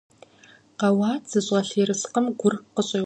Къэуат зыщӀэлъ ерыскъым гур къыщӀеубыдэ.